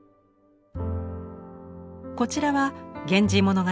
こちらは「源氏物語」